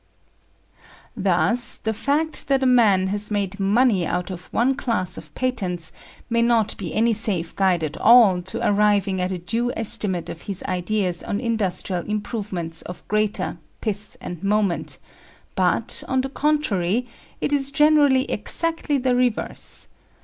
Thus the fact that a man has made money out of one class of patents may not be any safe guide at all to arriving at a due estimate of his ideas on industrial improvements of greater "pith and moment," but, on the contrary, it is generally exactly the reverse.